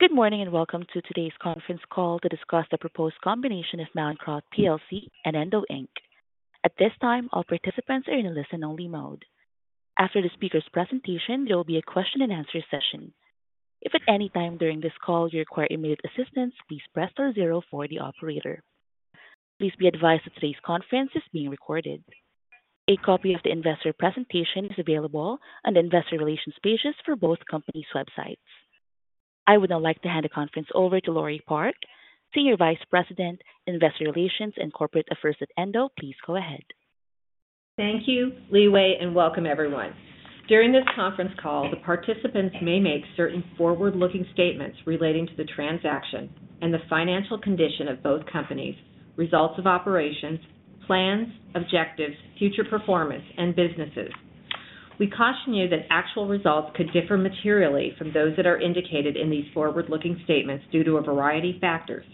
Good morning and welcome to today's conference call to discuss the proposed combination of Mallinckrodt and Endo. At this time, all participants are in a listen-only mode. After the speaker's presentation, there will be a question-and-answer session. If at any time during this call you require immediate assistance, please press star zero for the operator. Please be advised that today's conference is being recorded. A copy of the investor presentation is available on the investor relations pages for both companies' websites. I would now like to hand the conference over to Laure Park, Senior Vice President, Investor Relations and Corporate Affairs at Endo. Please go ahead. Thank you, Li Wei, and welcome everyone. During this conference call, the participants may make certain forward-looking statements relating to the transaction and the financial condition of both companies, results of operations, plans, objectives, future performance, and businesses. We caution you that actual results could differ materially from those that are indicated in these forward-looking statements due to a variety of factors.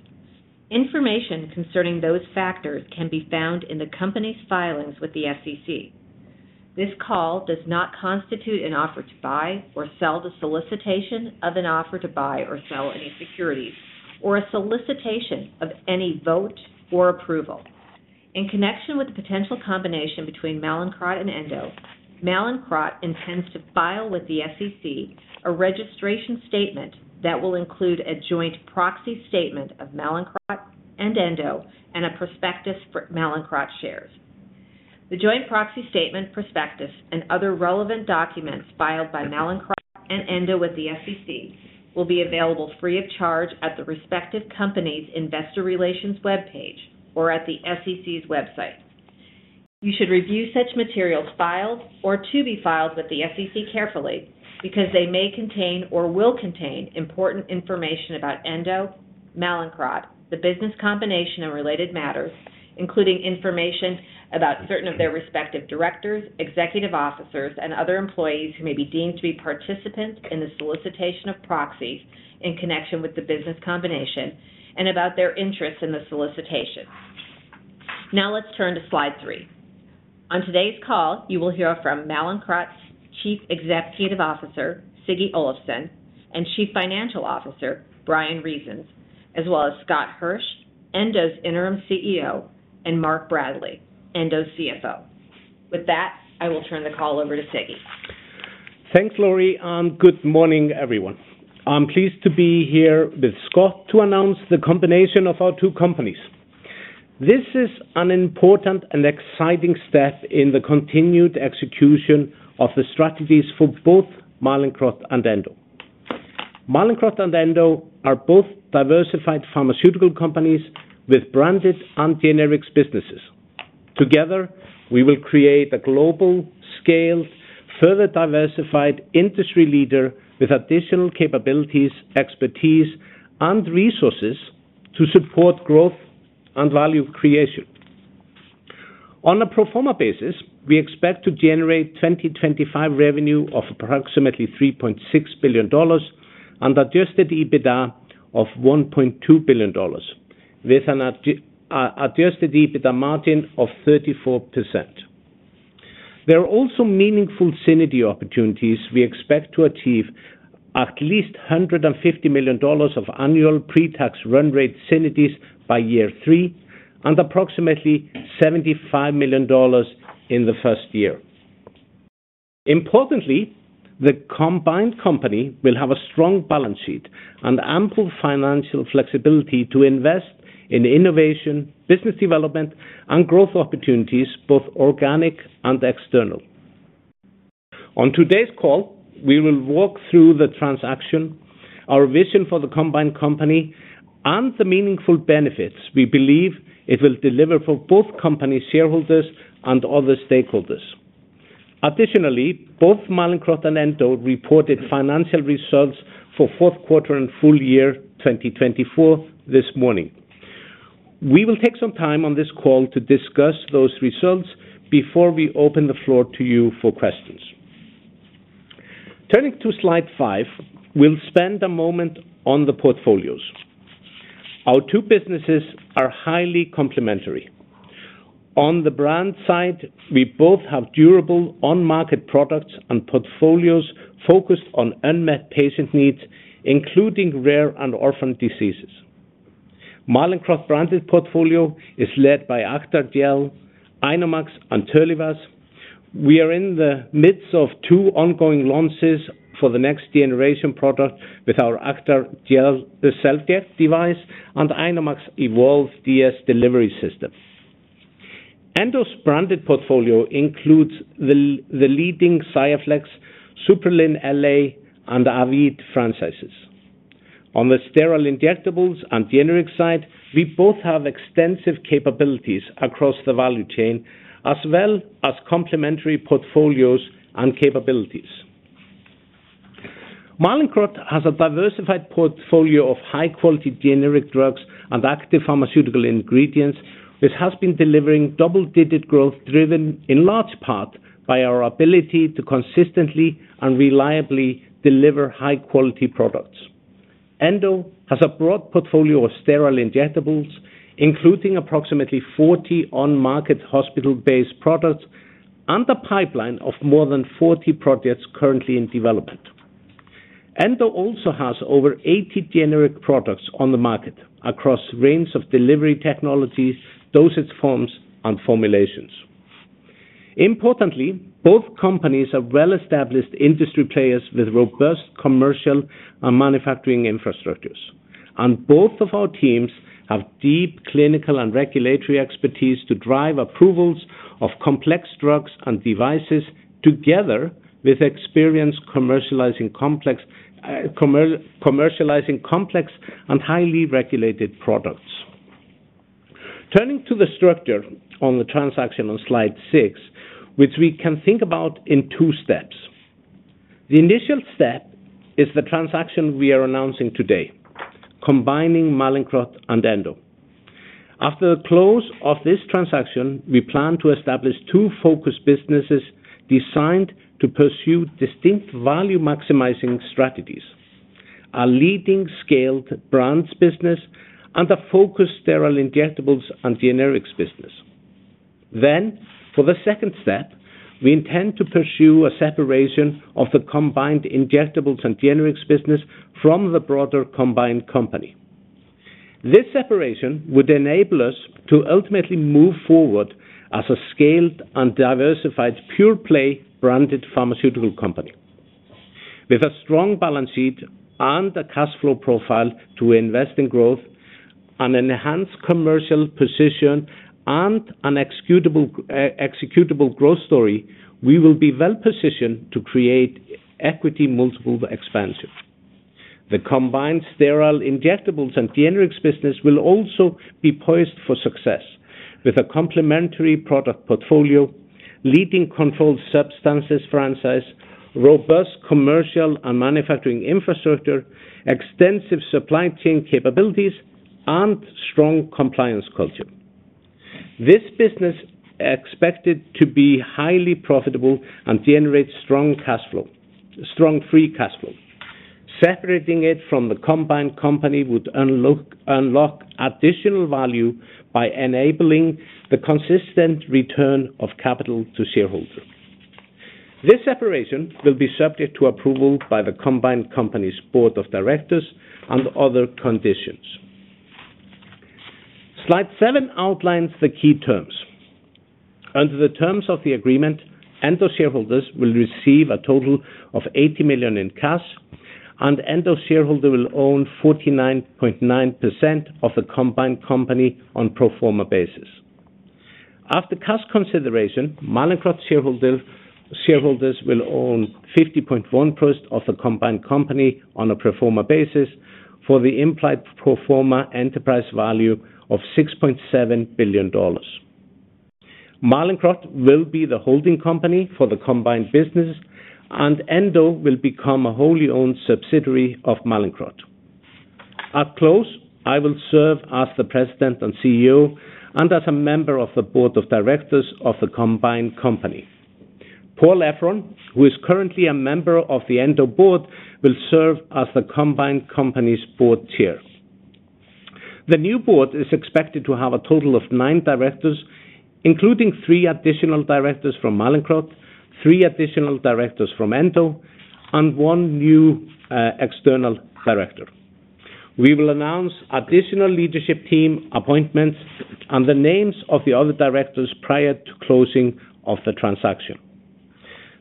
Information concerning those factors can be found in the company's filings with the SEC. This call does not constitute an offer to buy or sell the solicitation of an offer to buy or sell any securities or a solicitation of any vote or approval. In connection with the potential combination between Mallinckrodt and Endo, Mallinckrodt intends to file with the SEC a registration statement that will include a joint proxy statement of Mallinckrodt and Endo and a prospectus for Mallinckrodt shares. The joint proxy statement, prospectus, and other relevant documents filed by Mallinckrodt and Endo with the SEC will be available free of charge at the respective company's investor relations web page or at the SEC's website. You should review such materials filed or to be filed with the SEC carefully because they may contain or will contain important information about Endo, Mallinckrodt, the business combination and related matters, including information about certain of their respective directors, executive officers, and other employees who may be deemed to be participants in the solicitation of proxies in connection with the business combination and about their interests in the solicitation. Now let's turn to slide three. On today's call, you will hear from Mallinckrodt's Chief Executive Officer, Siggi Olafsson, and Chief Financial Officer, Bryan Reasons, as well as Scott Hirsch, Endo's interim CEO, and Mark Bradley, Endo's CFO. With that, I will turn the call over to Siggi. Thanks, Laure. Good morning, everyone. I'm pleased to be here with Scott to announce the combination of our two companies. This is an important and exciting step in the continued execution of the strategies for both Mallinckrodt and Endo. Mallinckrodt and Endo are both diversified pharmaceutical companies with branded and generic businesses. Together, we will create a global-scaled, further diversified industry leader with additional capabilities, expertise, and resources to support growth and value creation. On a pro forma basis, we expect to generate 2025 revenue of approximately $3.6 billion and adjusted EBITDA of $1.2 billion, with an adjusted EBITDA margin of 34%. There are also meaningful synergy opportunities. We expect to achieve at least $150 million of annual pre-tax run rate synergies by year three and approximately $75 million in the first year. Importantly, the combined company will have a strong balance sheet and ample financial flexibility to invest in innovation, business development, and growth opportunities, both organic and external. On today's call, we will walk through the transaction, our vision for the combined company, and the meaningful benefits we believe it will deliver for both company shareholders and other stakeholders. Additionally, both Mallinckrodt and Endo reported financial results for fourth quarter and full year 2024 this morning. We will take some time on this call to discuss those results before we open the floor to you for questions. Turning to slide five, we'll spend a moment on the portfolios. Our two businesses are highly complementary. On the brand side, we both have durable on-market products and portfolios focused on unmet patient needs, including rare and orphan diseases. Mallinckrodt's branded portfolio is led by Acthar Gel, INOmax, and TERLIVAZ. We are in the midst of two ongoing launches for the next-generation product with our Acthar Gel SelfJect device and INOmax EVOLVE DS delivery system. Endo's branded portfolio includes the leading XIAFLEX, SUPPRELIN LA, and AVEED franchises. On the sterile injectables and generic side, we both have extensive capabilities across the value chain, as well as complementary portfolios and capabilities. Mallinckrodt has a diversified portfolio of high-quality generic drugs and active pharmaceutical ingredients, which has been delivering double-digit growth driven in large part by our ability to consistently and reliably deliver high-quality products. Endo has a broad portfolio of sterile injectables, including approximately 40 on-market hospital-based products and a pipeline of more than 40 projects currently in development. Endo also has over 80 generic products on the market across a range of delivery technologies, dosage forms, and formulations. Importantly, both companies are well-established industry players with robust commercial and manufacturing infrastructures, and both of our teams have deep clinical and regulatory expertise to drive approvals of complex drugs and devices together with experience commercializing complex and highly regulated products. Turning to the structure of the transaction on slide six, which we can think about in two steps. The initial step is the transaction we are announcing today, combining Mallinckrodt and Endo. After the close of this transaction, we plan to establish two focused businesses designed to pursue distinct value-maximizing strategies: a leading scaled brands business and a focused sterile injectables and generics business. For the second step, we intend to pursue a separation of the combined injectables and generics business from the broader combined company. This separation would enable us to ultimately move forward as a scaled and diversified pure-play branded pharmaceutical company with a strong balance sheet and a cash flow profile to invest in growth and enhance commercial position and an executable growth story. We will be well-positioned to create equity multiple expansion. The combined sterile injectables and generics business will also be poised for success with a complementary product portfolio, leading controlled substances franchise, robust commercial and manufacturing infrastructure, extensive supply chain capabilities, and strong compliance culture. This business is expected to be highly profitable and generate strong free cash flow. Separating it from the combined company would unlock additional value by enabling the consistent return of capital to shareholders. This separation will be subject to approval by the combined company's board of directors and other conditions. Slide seven outlines the key terms. Under the terms of the agreement, Endo shareholders will receive a total of $80 million in cash, and Endo shareholders will own 49.9% of the combined company on a pro forma basis. After cash consideration, Mallinckrodt shareholders will own 50.1% of the combined company on a pro forma basis for the implied pro forma enterprise value of $6.7 billion. Mallinckrodt will be the holding company for the combined business, and Endo will become a wholly owned subsidiary of Mallinckrodt. At close, I will serve as the President and CEO and as a member of the board of directors of the combined company. Paul Efron, who is currently a member of the Endo board, will serve as the combined company's board chair. The new board is expected to have a total of nine directors, including three additional directors from Mallinckrodt, three additional directors from Endo, and one new external director. We will announce additional leadership team appointments and the names of the other directors prior to closing of the transaction.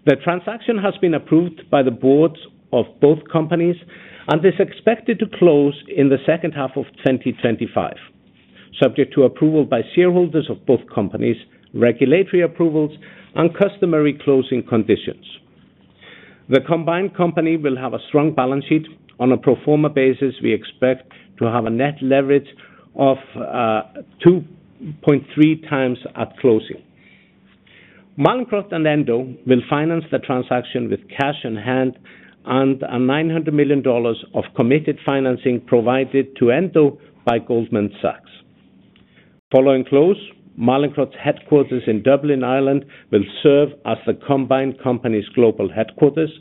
The transaction has been approved by the boards of both companies and is expected to close in the second half of 2025, subject to approval by shareholders of both companies, regulatory approvals, and customary closing conditions. The combined company will have a strong balance sheet on a pro forma basis. We expect to have a net leverage of 2.3x at closing. Mallinckrodt and Endo will finance the transaction with cash in hand and $900 million of committed financing provided to Endo by Goldman Sachs. Following close, Mallinckrodt's headquarters in Dublin, Ireland, will serve as the combined company's global headquarters.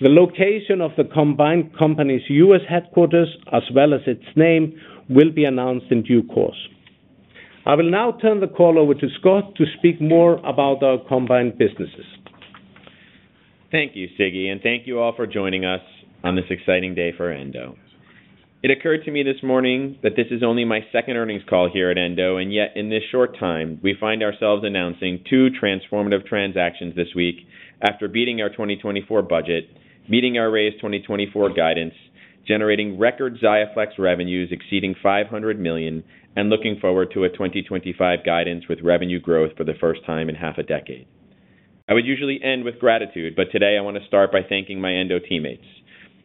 The location of the combined company's US headquarters, as well as its name, will be announced in due course. I will now turn the call over to Scott to speak more about our combined businesses. Thank you, Siggi, and thank you all for joining us on this exciting day for Endo. It occurred to me this morning that this is only my second earnings call here at Endo, and yet in this short time, we find ourselves announcing two transformative transactions this week after beating our 2024 budget, meeting our raised 2024 guidance, generating record XIAFLEX revenues exceeding $500 million, and looking forward to a 2025 guidance with revenue growth for the first time in half a decade. I would usually end with gratitude, but today I want to start by thanking my Endo teammates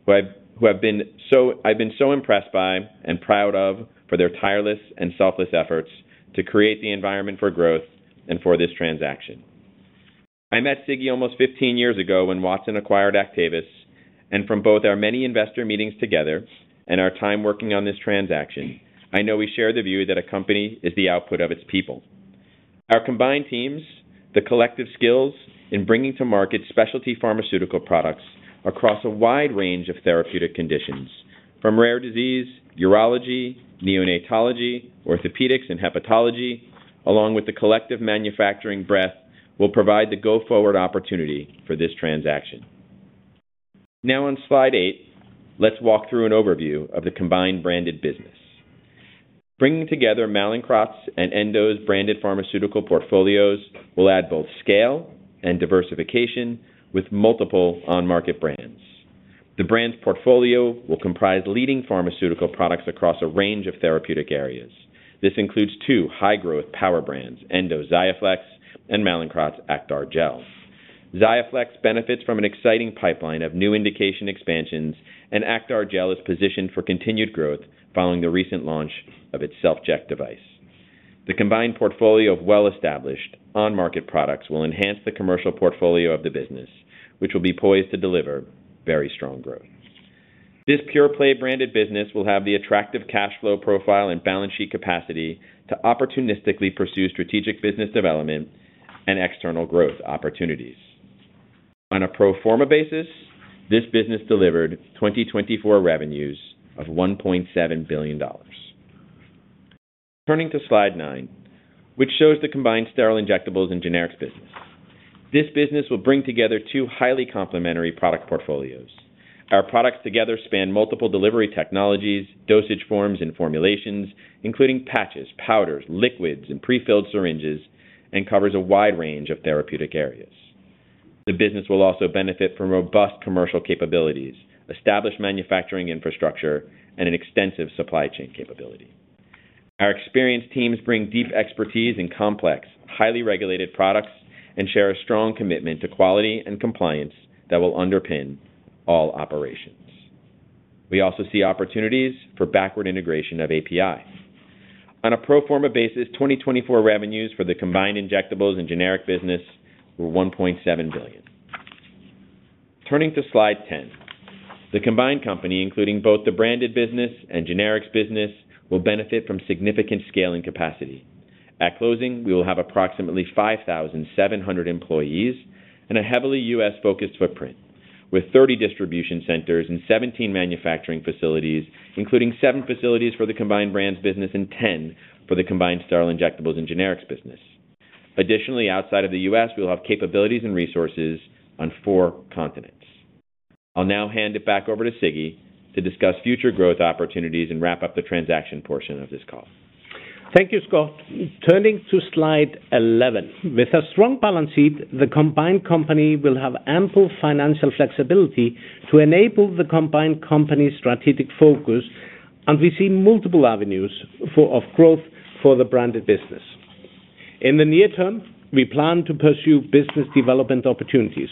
who I've been so impressed by and proud of for their tireless and selfless efforts to create the environment for growth and for this transaction. I met Siggi almost 15 years ago when Watson acquired Actavis, and from both our many investor meetings together and our time working on this transaction, I know we share the view that a company is the output of its people. Our combined teams, the collective skills in bringing to market specialty pharmaceutical products across a wide range of therapeutic conditions from rare disease, urology, neonatology, orthopedics, and hepatology, along with the collective manufacturing breadth, will provide the go-forward opportunity for this transaction. Now on slide eight, let's walk through an overview of the combined branded business. Bringing together Mallinckrodt's and Endo's branded pharmaceutical portfolios will add both scale and diversification with multiple on-market brands. The branded portfolio will comprise leading pharmaceutical products across a range of therapeutic areas. This includes two high-growth power brands, Endo XIAFLEX and Mallinckrodt's Acthar Gel. XIAFLEX benefits from an exciting pipeline of new indication expansions, and Acthar Gel is positioned for continued growth following the recent launch of its SelfJect device. The combined portfolio of well-established on-market products will enhance the commercial portfolio of the business, which will be poised to deliver very strong growth. This pure-play branded business will have the attractive cash flow profile and balance sheet capacity to opportunistically pursue strategic business development and external growth opportunities. On a pro forma basis, this business delivered 2024 revenues of $1.7 billion. Turning to slide nine, which shows the combined sterile injectables and generics business. This business will bring together two highly complementary product portfolios. Our products together span multiple delivery technologies, dosage forms, and formulations, including patches, powders, liquids, and prefilled syringes, and covers a wide range of therapeutic areas. The business will also benefit from robust commercial capabilities, established manufacturing infrastructure, and an extensive supply chain capability. Our experienced teams bring deep expertise in complex, highly regulated products and share a strong commitment to quality and compliance that will underpin all operations. We also see opportunities for backward integration of API. On a pro forma basis, 2024 revenues for the combined injectables and generic business were $1.7 billion. Turning to slide ten, the combined company, including both the branded business and generics business, will benefit from significant scaling capacity. At closing, we will have approximately 5,700 employees and a heavily U.S.-focused footprint with 30 distribution centers and 17 manufacturing facilities, including seven facilities for the combined brands business and 10 for the combined sterile injectables and generics business. Additionally, outside of the US, we'll have capabilities and resources on four continents. I'll now hand it back over to Siggi to discuss future growth opportunities and wrap up the transaction portion of this call. Thank you, Scott. Turning to slide 11, with a strong balance sheet, the combined company will have ample financial flexibility to enable the combined company's strategic focus, and we see multiple avenues of growth for the branded business. In the near term, we plan to pursue business development opportunities.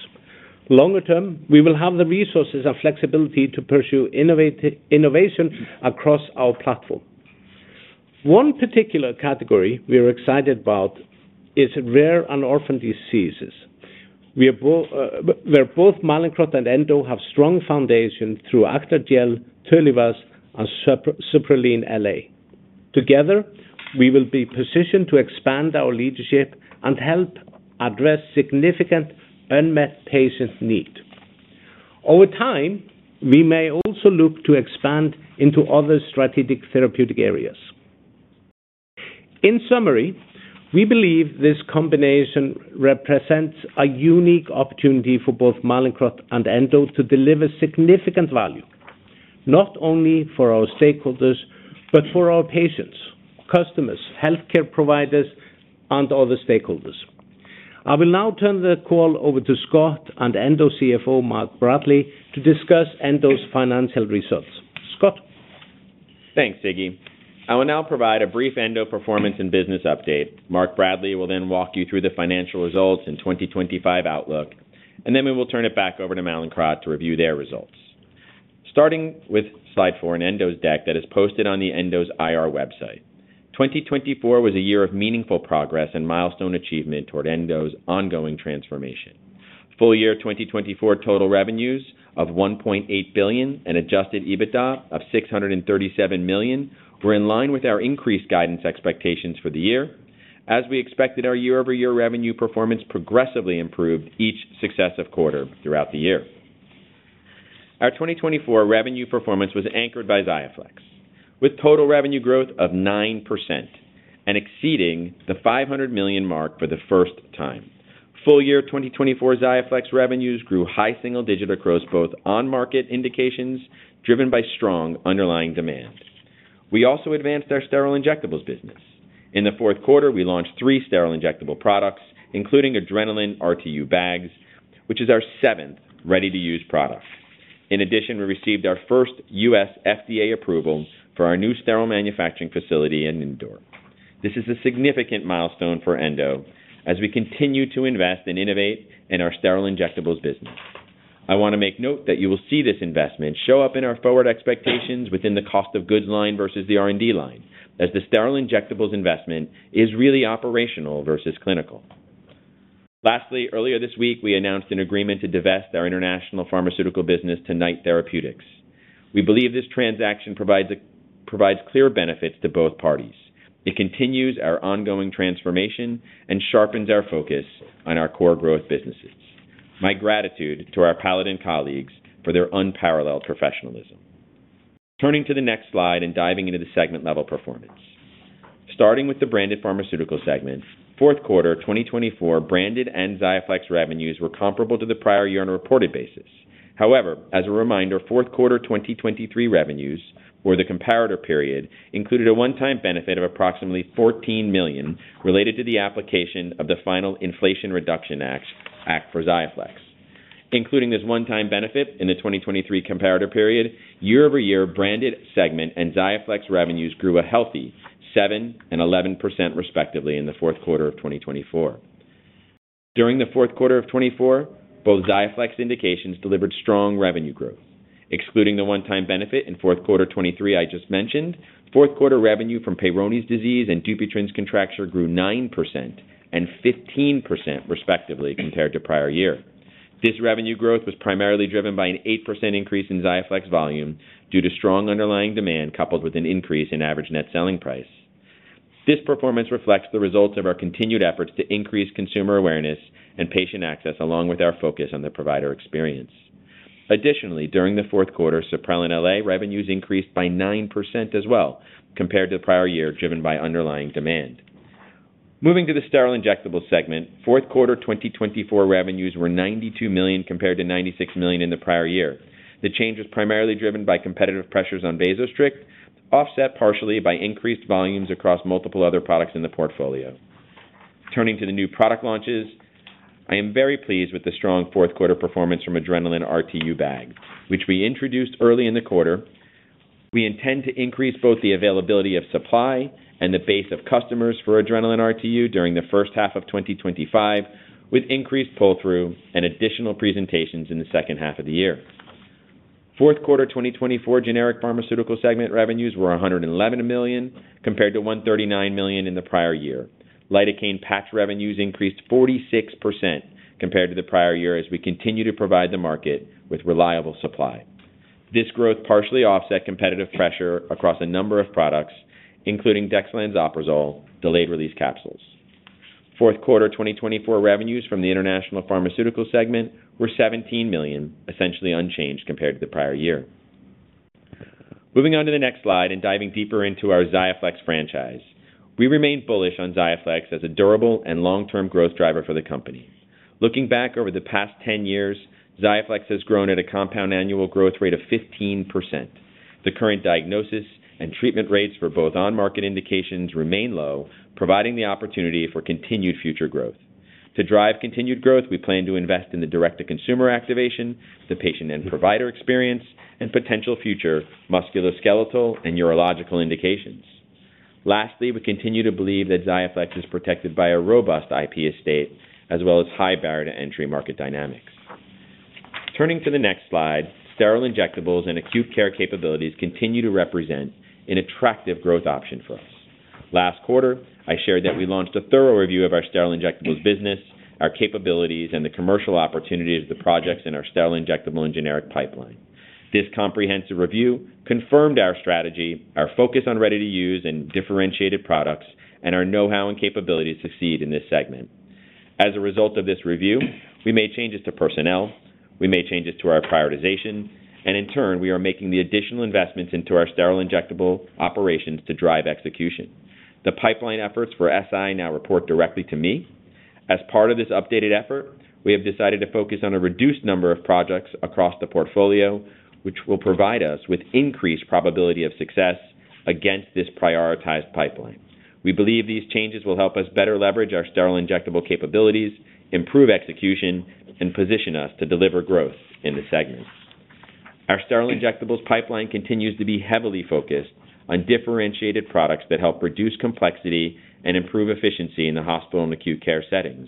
Longer term, we will have the resources and flexibility to pursue innovation across our platform. One particular category we are excited about is rare and orphan diseases, where both Mallinckrodt and Endo have strong foundations through Acthar Gel, TERLIVAZ, and SUPPRELIN LA. Together, we will be positioned to expand our leadership and help address significant unmet patient needs. Over time, we may also look to expand into other strategic therapeutic areas. In summary, we believe this combination represents a unique opportunity for both Mallinckrodt and Endo to deliver significant value, not only for our stakeholders, but for our patients, customers, healthcare providers, and other stakeholders. I will now turn the call over to Scott and Endo CFO, Mark Bradley, to discuss Endo's financial results. Scott. Thanks, Siggi. I will now provide a brief Endo performance and business update. Mark Bradley will then walk you through the financial results and 2025 outlook, and then we will turn it back over to Mallinckrodt to review their results. Starting with slide four in Endo's deck that is posted on Endo's IR website. 2024 was a year of meaningful progress and milestone achievement toward Endo's ongoing transformation. Full year 2024 total revenues of $1.8 billion and adjusted EBITDA of $637 million were in line with our increased guidance expectations for the year, as we expected our year-over-year revenue performance progressively improved each successive quarter throughout the year. Our 2024 revenue performance was anchored by XIAFLEX, with total revenue growth of 9% and exceeding the $500 million mark for the first time. Full year 2024 XIAFLEX revenues grew high single-digit across both on-market indications driven by strong underlying demand. We also advanced our sterile injectables business. In the fourth quarter, we launched three sterile injectable products, including ADRENALIN RTU bags, which is our seventh ready-to-use product. In addition, we received our first U.S. FDA approval for our new sterile manufacturing facility in Indore. This is a significant milestone for Endo as we continue to invest and innovate in our sterile injectables business. I want to make note that you will see this investment show up in our forward expectations within the cost of goods line versus the R&D line, as the sterile injectables investment is really operational versus clinical. Lastly, earlier this week, we announced an agreement to divest our international pharmaceutical business to Knight Therapeutics. We believe this transaction provides clear benefits to both parties. It continues our ongoing transformation and sharpens our focus on our core growth businesses. My gratitude to our Paladin colleagues for their unparalleled professionalism. Turning to the next slide and diving into the segment-level performance. Starting with the branded pharmaceutical segment, fourth quarter 2024 branded and XIAFLEX revenues were comparable to the prior year on a reported basis. However, as a reminder, fourth quarter 2023 revenues for the comparator period included a one-time benefit of approximately $14 million related to the application of the final Inflation Reduction Act for XIAFLEX. Including this one-time benefit in the 2023 comparator period, year-over-year branded segment and XIAFLEX revenues grew a healthy 7% and 11% respectively in the fourth quarter of 2024. During the fourth quarter of 2024, both XIAFLEX indications delivered strong revenue growth. Excluding the one-time benefit in fourth quarter 2023 I just mentioned, fourth quarter revenue from Peyronie's disease and Dupuytren's contracture grew 9% and 15% respectively compared to prior year. This revenue growth was primarily driven by an 8% increase in XIAFLEX volume due to strong underlying demand coupled with an increase in average net selling price. This performance reflects the results of our continued efforts to increase consumer awareness and patient access, along with our focus on the provider experience. Additionally, during the fourth quarter, SUPPRELIN LA revenues increased by 9% as well compared to the prior year, driven by underlying demand. Moving to the sterile injectables segment, fourth quarter 2024 revenues were $92 million compared to $96 million in the prior year. The change was primarily driven by competitive pressures on VASOSTRICT, offset partially by increased volumes across multiple other products in the portfolio. Turning to the new product launches, I am very pleased with the strong fourth quarter performance from ADRENALIN RTU Bags, which we introduced early in the quarter. We intend to increase both the availability of supply and the base of customers for ADRENALIN RTU during the first half of 2025, with increased pull-through and additional presentations in the second half of the year. Fourth quarter 2024 generic pharmaceutical segment revenues were $111 million compared to $139 million in the prior year. Lidocaine Patch revenues increased 46% compared to the prior year as we continue to provide the market with reliable supply. This growth partially offset competitive pressure across a number of products, including dexlansoprazole delayed-release capsules. Fourth quarter 2024 revenues from the international pharmaceutical segment were $17 million, essentially unchanged compared to the prior year. Moving on to the next slide and diving deeper into our XIAFLEX franchise, we remain bullish on XIAFLEX as a durable and long-term growth driver for the company. Looking back over the past 10 years, XIAFLEX has grown at a compound annual growth rate of 15%. The current diagnosis and treatment rates for both on-market indications remain low, providing the opportunity for continued future growth. To drive continued growth, we plan to invest in the direct-to-consumer activation, the patient and provider experience, and potential future musculoskeletal and urological indications. Lastly, we continue to believe that XIAFLEX is protected by a robust IP estate as well as high barrier-to-entry market dynamics. Turning to the next slide, sterile injectables and acute care capabilities continue to represent an attractive growth option for us. Last quarter, I shared that we launched a thorough review of our sterile injectables business, our capabilities, and the commercial opportunities of the projects in our sterile injectable and generic pipeline. This comprehensive review confirmed our strategy, our focus on ready-to-use and differentiated products, and our know-how and capability to succeed in this segment. As a result of this review, we made changes to personnel, we made changes to our prioritization, and in turn, we are making the additional investments into our sterile injectable operations to drive execution. The pipeline efforts for SI now report directly to me. As part of this updated effort, we have decided to focus on a reduced number of projects across the portfolio, which will provide us with increased probability of success against this prioritized pipeline. We believe these changes will help us better leverage our sterile injectable capabilities, improve execution, and position us to deliver growth in the segment. Our sterile injectables pipeline continues to be heavily focused on differentiated products that help reduce complexity and improve efficiency in the hospital and acute care settings,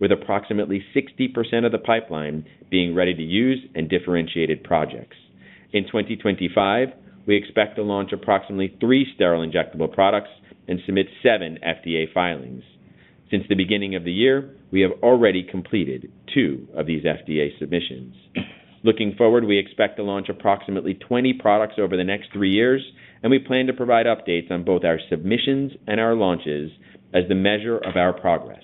with approximately 60% of the pipeline being ready-to-use and differentiated projects. In 2025, we expect to launch approximately three sterile injectable products and submit seven FDA filings. Since the beginning of the year, we have already completed two of these FDA submissions. Looking forward, we expect to launch approximately 20 products over the next three years, and we plan to provide updates on both our submissions and our launches as the measure of our progress.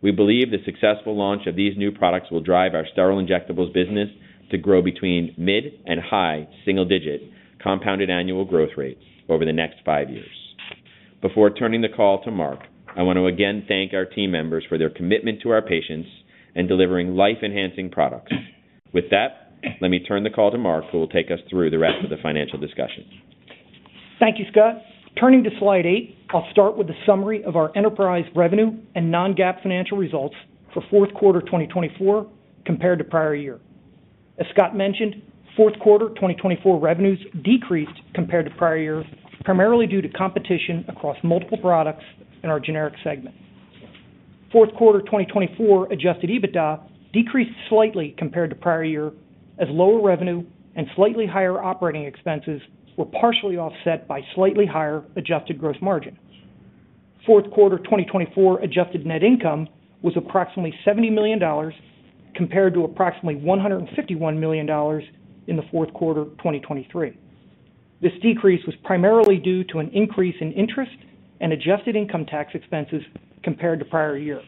We believe the successful launch of these new products will drive our sterile injectables business to grow between mid and high single-digit compounded annual growth rates over the next five years. Before turning the call to Mark, I want to again thank our team members for their commitment to our patients and delivering life-enhancing products. With that, let me turn the call to Mark, who will take us through the rest of the financial discussion. Thank you, Scott. Turning to slide eight, I'll start with a summary of our enterprise revenue and non-GAAP financial results for fourth quarter 2024 compared to prior year. As Scott mentioned, fourth quarter 2024 revenues decreased compared to prior year primarily due to competition across multiple products in our generic segment. Fourth quarter 2024 adjusted EBITDA decreased slightly compared to prior year as lower revenue and slightly higher operating expenses were partially offset by slightly higher adjusted gross margin. Fourth quarter 2024 adjusted net income was approximately $70 million compared to approximately $151 million in the fourth quarter 2023. This decrease was primarily due to an increase in interest and adjusted income tax expenses compared to prior year.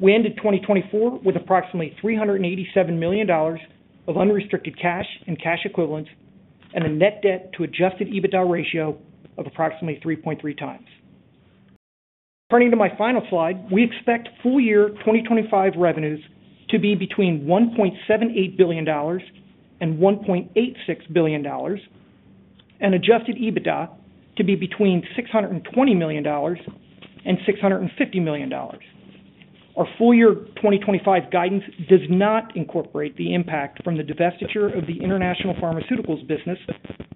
We ended 2024 with approximately $387 million of unrestricted cash and cash equivalents and a net debt to adjusted EBITDA ratio of approximately 3.3x. Turning to my final slide, we expect full year 2025 revenues to be between $1.78 billion and $1.86 billion and adjusted EBITDA to be between $620 million and $650 million. Our full year 2025 guidance does not incorporate the impact from the divestiture of the international pharmaceuticals business,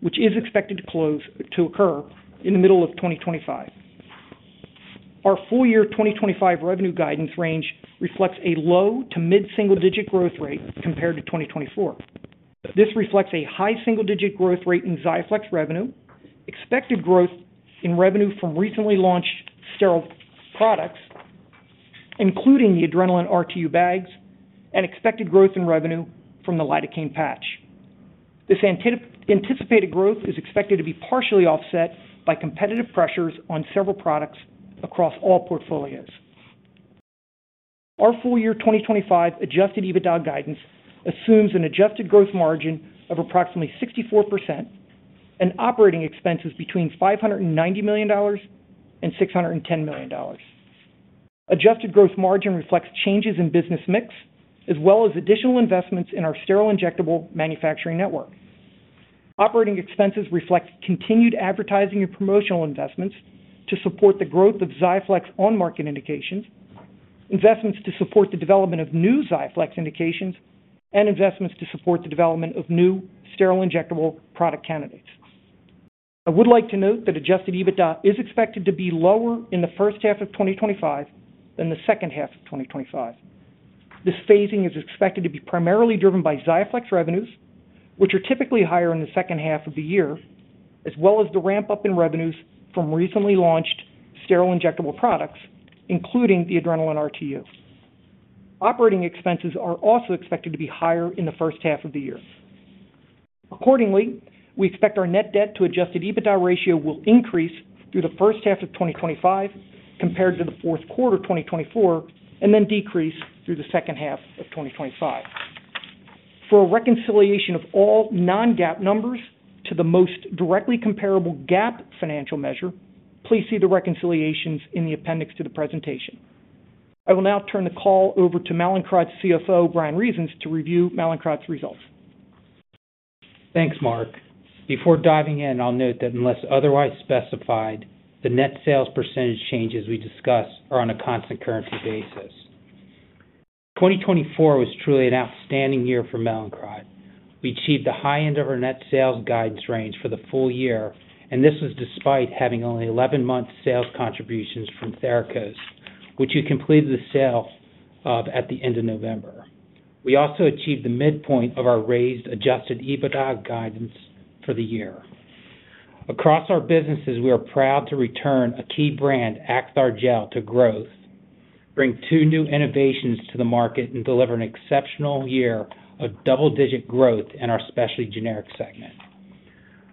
which is expected to occur in the middle of 2025. Our full year 2025 revenue guidance range reflects a low to mid-single-digit growth rate compared to 2024. This reflects a high single-digit growth rate in XIAFLEX revenue, expected growth in revenue from recently launched sterile products, including the ADRENALIN RTU bags, and expected growth in revenue from the lidocaine patch. This anticipated growth is expected to be partially offset by competitive pressures on several products across all portfolios. Our full year 2025 adjusted EBITDA guidance assumes an adjusted gross margin of approximately 64% and operating expenses between $590 million and $610 million. Adjusted gross margin reflects changes in business mix as well as additional investments in our sterile injectable manufacturing network. Operating expenses reflect continued advertising and promotional investments to support the growth of XIAFLEX on-market indications, investments to support the development of new XIAFLEX indications, and investments to support the development of new sterile injectable product candidates. I would like to note that adjusted EBITDA is expected to be lower in the first half of 2025 than the second half of 2025. This phasing is expected to be primarily driven by XIAFLEX revenues, which are typically higher in the second half of the year, as well as the ramp-up in revenues from recently launched sterile injectable products, including the ADRENALIN RTU. Operating expenses are also expected to be higher in the first half of the year. Accordingly, we expect our net debt to adjusted EBITDA ratio will increase through the first half of 2025 compared to the fourth quarter 2024 and then decrease through the second half of 2025. For a reconciliation of all non-GAAP numbers to the most directly comparable GAAP financial measure, please see the reconciliations in the appendix to the presentation. I will now turn the call over to Mallinckrodt's CFO, Bryan Reasons, to review Mallinckrodt's results. Thanks, Mark. Before diving in, I'll note that unless otherwise specified, the net sales % changes we discussed are on a constant currency basis. 2024 was truly an outstanding year for Mallinckrodt. We achieved the high end of our net sales guidance range for the full year, and this was despite having only 11-month sales contributions from Therakos, which we completed the sale of at the end of November. We also achieved the midpoint of our raised adjusted EBITDA guidance for the year. Across our businesses, we are proud to return a key brand, Acthar Gel, to growth, bring two new innovations to the market, and deliver an exceptional year of double-digit growth in our specialty generic segment.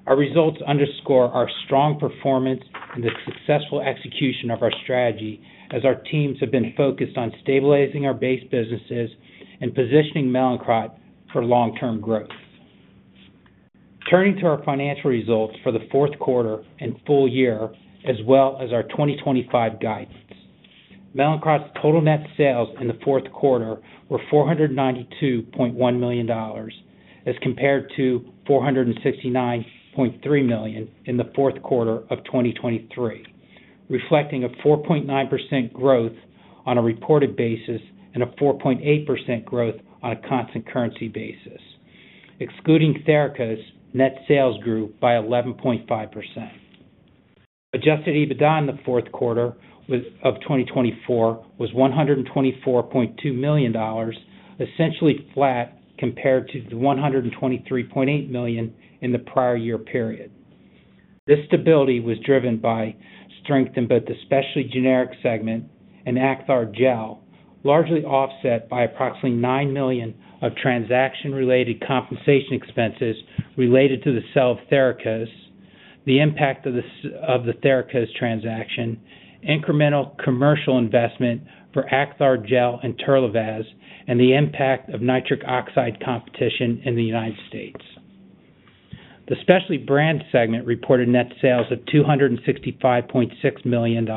Our results underscore our strong performance and the successful execution of our strategy as our teams have been focused on stabilizing our base businesses and positioning Mallinckrodt for long-term growth. Turning to our financial results for the fourth quarter and full year, as well as our 2025 guidance, Mallinckrodt's total net sales in the fourth quarter were $492.1 million as compared to $469.3 million in the fourth quarter of 2023, reflecting a 4.9% growth on a reported basis and a 4.8% growth on a constant currency basis. Excluding Therakos, net sales grew by 11.5%. Adjusted EBITDA in the fourth quarter of 2024 was $124.2 million, essentially flat compared to the $123.8 million in the prior year period. This stability was driven by strength in both the specialty generic segment and Acthar Gel, largely offset by approximately $9 million of transaction-related compensation expenses related to the sale of Therakos, the impact of the Therakos transaction, incremental commercial investment for Acthar Gel and TERLIVAZ, and the impact of nitric oxide competition in the United States. The specialty brand segment reported net sales of $265.6 million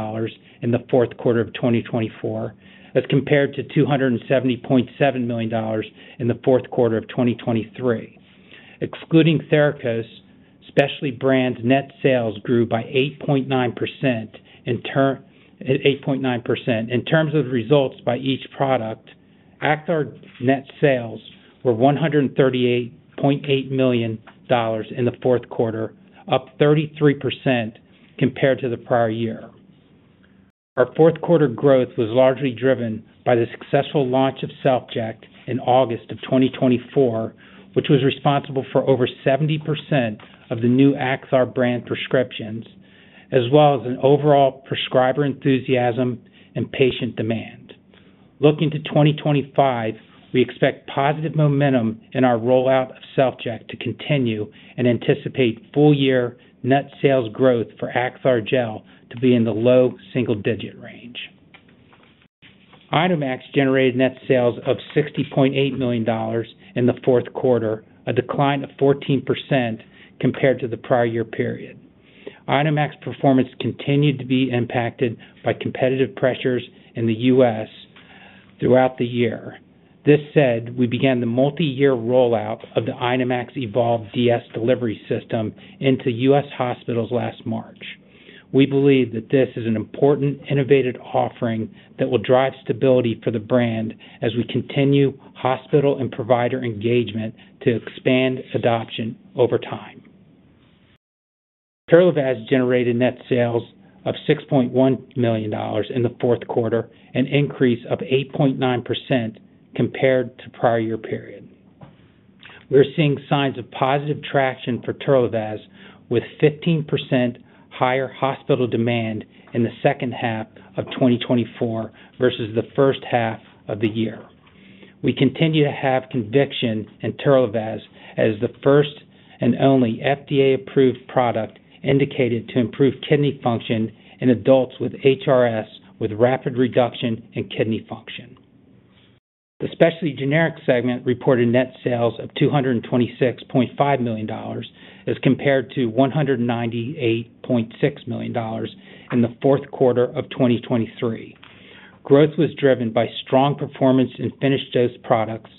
in the fourth quarter of 2024 as compared to $270.7 million in the fourth quarter of 2023. Excluding Therakos, specialty brand net sales grew by 8.9%. In terms of results by each product, Acthar's net sales were $138.8 million in the fourth quarter, up 33% compared to the prior year. Our fourth quarter growth was largely driven by the successful launch of SelfJect in August of 2024, which was responsible for over 70% of the new Acthar brand prescriptions, as well as an overall prescriber enthusiasm and patient demand. Looking to 2025, we expect positive momentum in our rollout of SelfJect to continue and anticipate full year net sales growth for Acthar Gel to be in the low single-digit range. INOmax generated net sales of $60.8 million in the fourth quarter, a decline of 14% compared to the prior year period. INOmax performance continued to be impacted by competitive pressures in the U.S. throughout the year. This said, we began the multi-year rollout of the INOmax EVOLVE DS delivery system into U.S. hospitals last March. We believe that this is an important innovative offering that will drive stability for the brand as we continue hospital and provider engagement to expand adoption over time. TERLIVAZ generated net sales of $6.1 million in the fourth quarter, an increase of 8.9% compared to prior year period. We're seeing signs of positive traction for TERLIVAZ with 15% higher hospital demand in the second half of 2024 versus the first half of the year. We continue to have conviction in TERLIVAZ as the first and only FDA-approved product indicated to improve kidney function in adults with HRS with rapid reduction in kidney function. The specialty generic segment reported net sales of $226.5 million as compared to $198.6 million in the fourth quarter of 2023. Growth was driven by strong performance in finished dose products,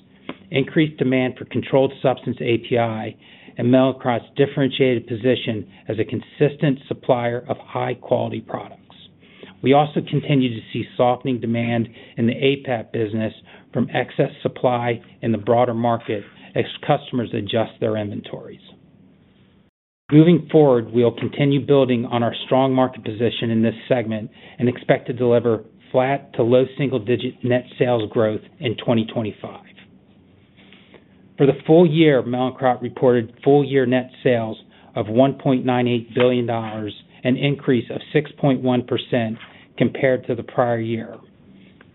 increased demand for controlled substance API, and Mallinckrodt's differentiated position as a consistent supplier of high-quality products. We also continue to see softening demand in the APAP business from excess supply in the broader market as customers adjust their inventories. Moving forward, we'll continue building on our strong market position in this segment and expect to deliver flat to low single-digit net sales growth in 2025. For the full year, Mallinckrodt reported full year net sales of $1.98 billion, an increase of 6.1% compared to the prior year,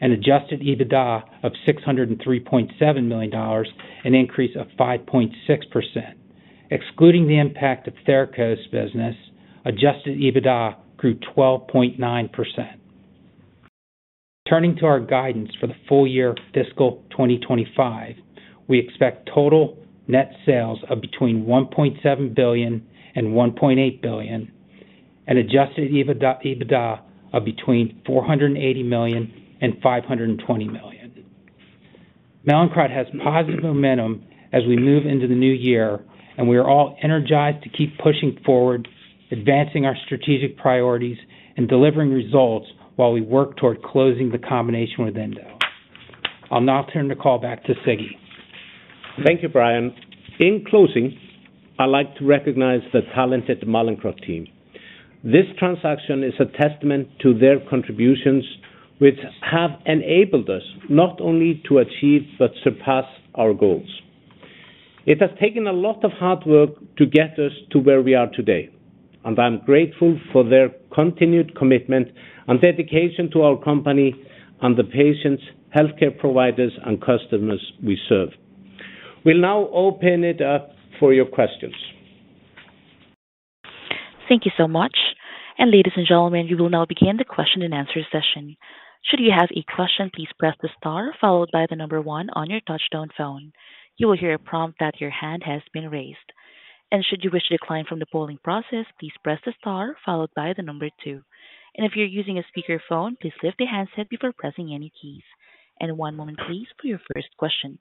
and adjusted EBITDA of $603.7 million, an increase of 5.6%. Excluding the impact of Therakos business, adjusted EBITDA grew 12.9%. Turning to our guidance for the full year fiscal 2025, we expect total net sales of between $1.7 billion and $1.8 billion, and adjusted EBITDA of between $480 million and $520 million. Mallinckrodt has positive momentum as we move into the new year, and we are all energized to keep pushing forward, advancing our strategic priorities, and delivering results while we work toward closing the combination with Endo. I'll now turn the call back to Siggi. Thank you, Bryan. In closing, I'd like to recognize the talented Mallinckrodt team. This transaction is a testament to their contributions, which have enabled us not only to achieve but surpass our goals. It has taken a lot of hard work to get us to where we are today, and I'm grateful for their continued commitment and dedication to our company and the patients, healthcare providers, and customers we serve. We'll now open it up for your questions. Thank you so much. Ladies and gentlemen, you will now begin the question-and-answer session. Should you have a question, please press the star followed by the number one on your touch-tone phone. You will hear a prompt that your hand has been raised. Should you wish to decline from the polling process, please press the star followed by the number two. If you're using a speakerphone, please lift the handset before pressing any keys. One moment, please, for your first question.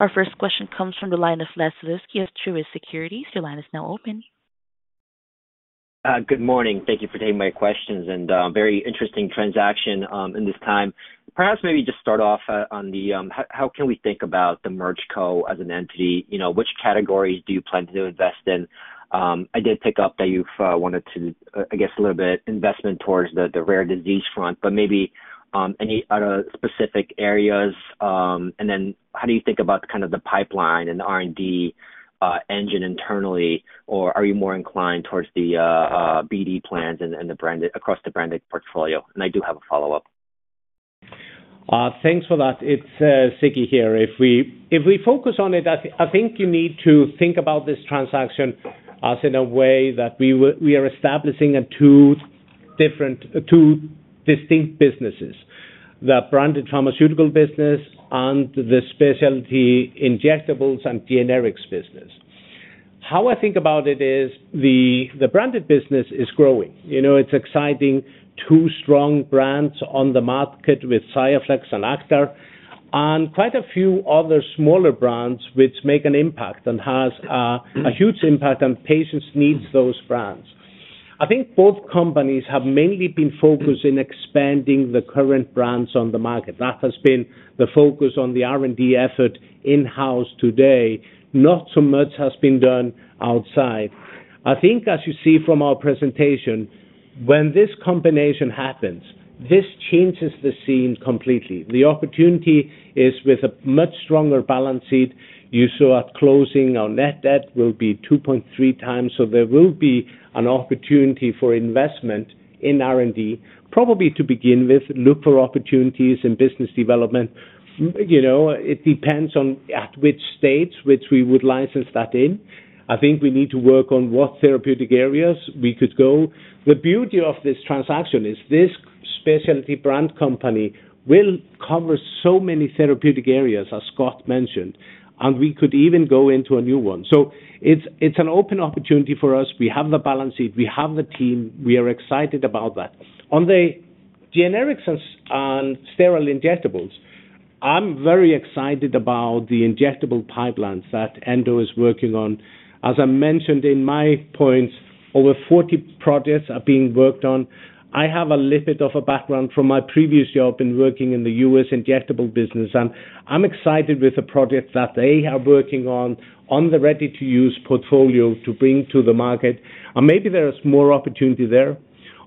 Our first question comes from the line of Les of Truist Securities. Your line is now open. Good morning. Thank you for taking my questions. Very interesting transaction in this time. Perhaps maybe just start off on the how can we think about the merge co as an entity? Which categories do you plan to invest in? I did pick up that you've wanted to, I guess, a little bit investment towards the rare disease front, but maybe any other specific areas? How do you think about kind of the pipeline and the R&D engine internally, or are you more inclined towards the BD plans and across the branded portfolio? I do have a follow-up. Thanks for that. It's Siggi here. If we focus on it, I think you need to think about this transaction as in a way that we are establishing two distinct businesses: the branded pharmaceutical business and the specialty injectables and generics business. How I think about it is the branded business is growing. It's exciting to see strong brands on the market with XIAFLEX and Acthar and quite a few other smaller brands which make an impact and have a huge impact on patients' needs, those brands. I think both companies have mainly been focused in expanding the current brands on the market. That has been the focus on the R&D effort in-house today. Not so much has been done outside. I think, as you see from our presentation, when this combination happens, this changes the scene completely. The opportunity is with a much stronger balance sheet. You saw at closing our net debt will be 2.3x, so there will be an opportunity for investment in R&D. Probably to begin with, look for opportunities in business development. It depends on at which states which we would license that in. I think we need to work on what therapeutic areas we could go. The beauty of this transaction is this specialty brand company will cover so many therapeutic areas, as Scott mentioned, and we could even go into a new one. It is an open opportunity for us. We have the balance sheet. We have the team. We are excited about that. On the generics and sterile injectables, I am very excited about the injectable pipelines that Endo is working on. As I mentioned in my points, over 40 projects are being worked on. I have a little bit of a background from my previous job in working in the U.S. injectable business, and I'm excited with the project that they are working on, on the ready-to-use portfolio to bring to the market. Maybe there is more opportunity there.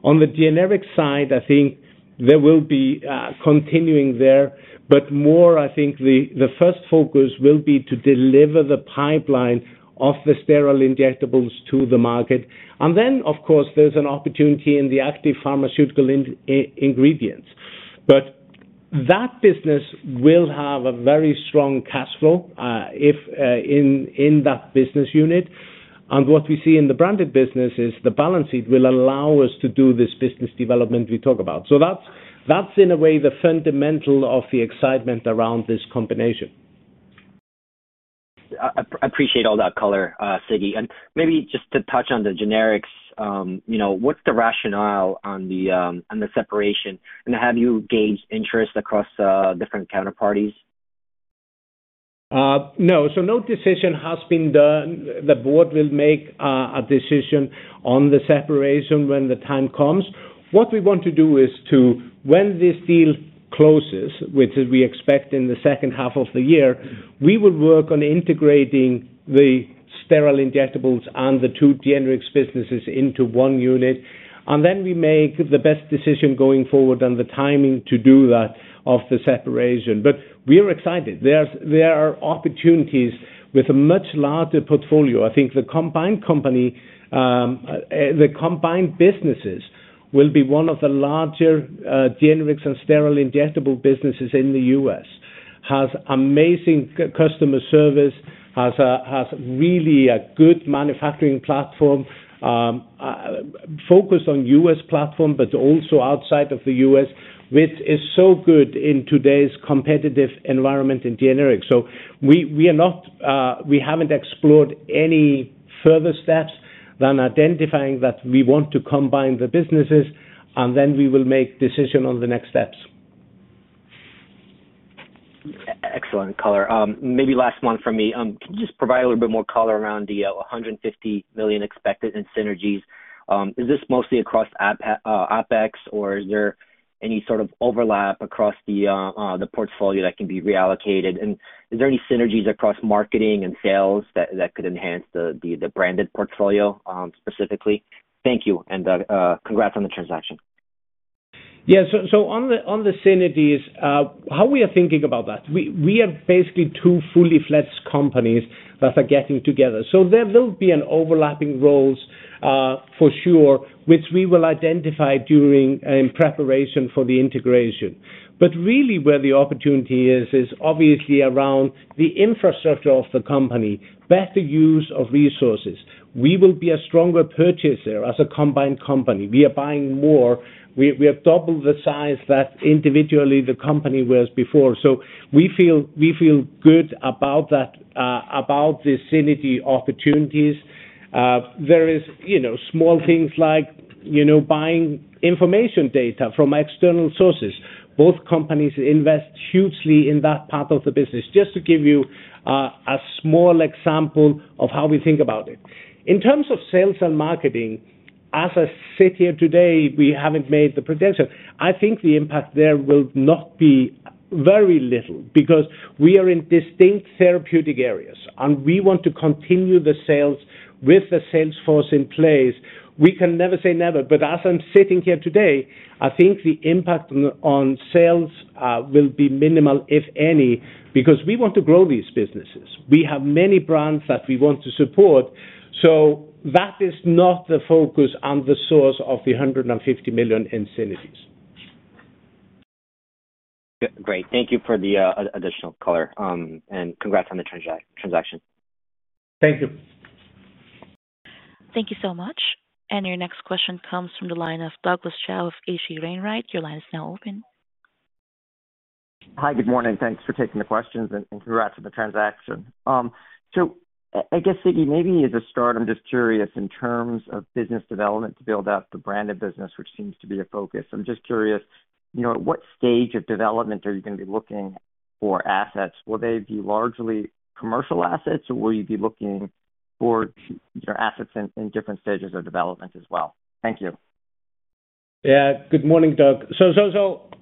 On the generic side, I think there will be continuing there, but more, I think the first focus will be to deliver the pipeline of the sterile injectables to the market. Of course, there is an opportunity in the active pharmaceutical ingredients. That business will have a very strong cash flow in that business unit. What we see in the branded business is the balance sheet will allow us to do this business development we talk about. That is in a way the fundamental of the excitement around this combination. I appreciate all that color, Siggi. Maybe just to touch on the generics, what's the rationale on the separation? Have you gauged interest across different counterparties? No. No decision has been done. The board will make a decision on the separation when the time comes. What we want to do is to, when this deal closes, which we expect in the second half of the year, we will work on integrating the sterile injectables and the two generics businesses into one unit. We make the best decision going forward on the timing to do that of the separation. We are excited. There are opportunities with a much larger portfolio. I think the combined company, the combined businesses will be one of the larger generics and sterile injectable businesses in the U.S. has amazing customer service, has really a good manufacturing platform focused on U.S. platform, but also outside of the U.S., which is so good in today's competitive environment in generics. We haven't explored any further steps than identifying that we want to combine the businesses, and then we will make decision on the next steps. Excellent color. Maybe last one from me. Can you just provide a little bit more color around the $150 million expected in synergies? Is this mostly across OpEx, or is there any sort of overlap across the portfolio that can be reallocated? Is there any synergies across marketing and sales that could enhance the branded portfolio specifically? Thank you. Congrats on the transaction. Yeah. On the synergies, how we are thinking about that, we have basically two fully flex companies that are getting together. There will be overlapping roles for sure, which we will identify during preparation for the integration. Where the opportunity is, is obviously around the infrastructure of the company, better use of resources. We will be a stronger purchaser as a combined company. We are buying more. We have doubled the size that individually the company was before. We feel good about the synergy opportunities. There are small things like buying information data from external sources. Both companies invest hugely in that part of the business. Just to give you a small example of how we think about it. In terms of sales and marketing, as I sit here today, we have not made the prediction. I think the impact there will not be very little because we are in distinct therapeutic areas, and we want to continue the sales with the sales force in place. We can never say never, but as I'm sitting here today, I think the impact on sales will be minimal, if any, because we want to grow these businesses. We have many brands that we want to support. That is not the focus and the source of the $150 million in synergies. Great. Thank you for the additional color. Congrats on the transaction. Thank you. Thank you so much. Your next question comes from the line of Douglas Tsao of H.C. Wainwright. Your line is now open. Hi, good morning. Thanks for taking the questions and congrats on the transaction. I guess, Siggi, maybe as a start, I'm just curious in terms of business development to build out the branded business, which seems to be a focus. I'm just curious, at what stage of development are you going to be looking for assets? Will they be largely commercial assets, or will you be looking for assets in different stages of development as well? Thank you. Yeah. Good morning, Doug.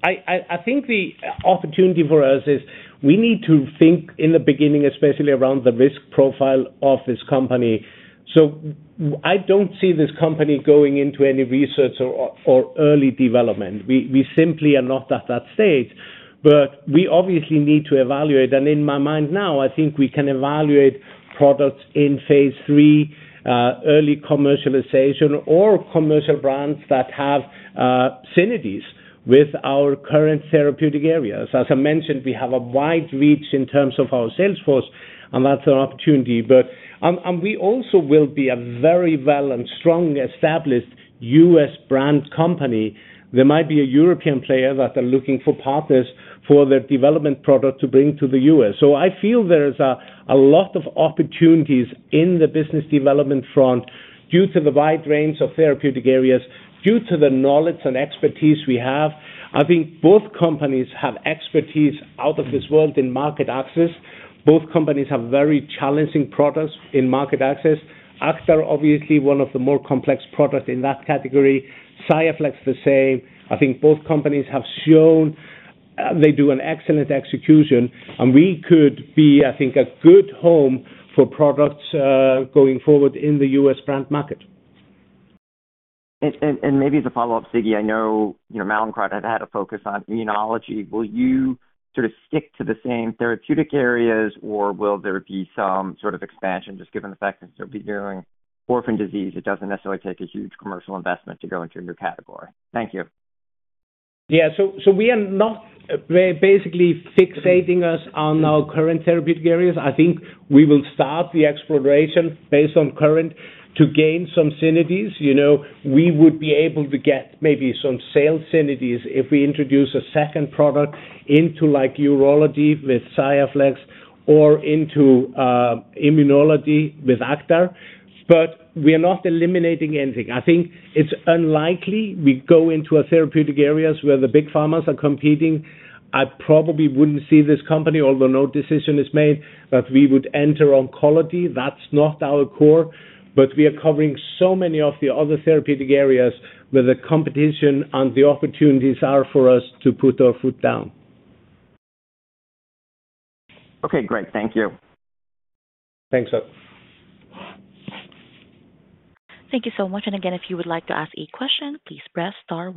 I think the opportunity for us is we need to think in the beginning, especially around the risk profile of this company. I do not see this company going into any research or early development. We simply are not at that stage, but we obviously need to evaluate. In my mind now, I think we can evaluate products in phase three, early commercialization, or commercial brands that have synergies with our current therapeutic areas. As I mentioned, we have a wide reach in terms of our sales force, and that is an opportunity. We also will be a very well and strong established U.S. brand company. There might be a European player that is looking for partners for their development product to bring to the U.S. I feel there is a lot of opportunities in the business development front due to the wide range of therapeutic areas, due to the knowledge and expertise we have. I think both companies have expertise out of this world in market access. Both companies have very challenging products in market access. Acthar is obviously one of the more complex products in that category. XIAFLEX is the same. I think both companies have shown they do an excellent execution, and we could be, I think, a good home for products going forward in the U.S. brand market. Maybe as a follow-up, Siggi, I know Mallinckrodt had had a focus on immunology. Will you sort of stick to the same therapeutic areas, or will there be some sort of expansion just given the fact that you'll be doing orphan disease? It doesn't necessarily take a huge commercial investment to go into a new category. Thank you. Yeah. We are not basically fixating us on our current therapeutic areas. I think we will start the exploration based on current to gain some synergies. We would be able to get maybe some sales synergies if we introduce a second product into urology with XIAFLEX or into immunology with Acthar. We are not eliminating anything. I think it's unlikely we go into therapeutic areas where the big pharmas are competing. I probably wouldn't see this company, although no decision is made, that we would enter oncology. That's not our core, but we are covering so many of the other therapeutic areas where the competition and the opportunities are for us to put our foot down. Okay. Great. Thank you. Thanks, Doug. Thank you so much. If you would like to ask a question, please press star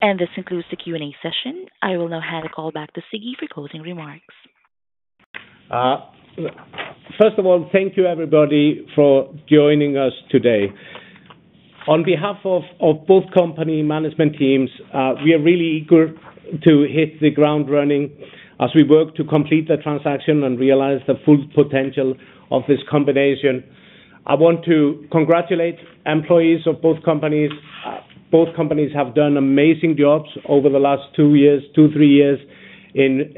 one. This concludes the Q&A session. I will now hand the call back to Siggi for closing remarks. First of all, thank you, everybody, for joining us today. On behalf of both company management teams, we are really eager to hit the ground running as we work to complete the transaction and realize the full potential of this combination. I want to congratulate employees of both companies. Both companies have done amazing jobs over the last two years, two, three years in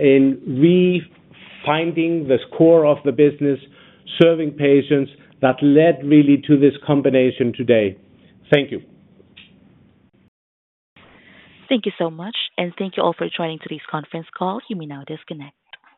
refinding the core of the business, serving patients that led really to this combination today. Thank you. Thank you so much. Thank you all for joining today's conference call. You may now disconnect.